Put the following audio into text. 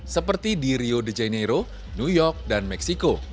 seperti di rio de janeiro new york dan meksiko